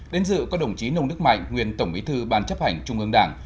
đến dự có đồng chí nông đức mạnh nguyên tổng bí thư ban chấp hành trung ương đảng